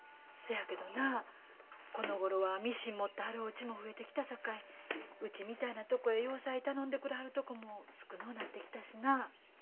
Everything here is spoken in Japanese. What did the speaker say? そやけどなこのごろはミシン持ってはるおうちも増えてきたさかいうちみたいなとこへ洋裁頼んでくれはるとこも少のうなってきたしな。